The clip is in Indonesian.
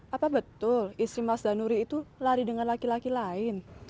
apa betul istri mas danuri itu lari dengan laki laki lain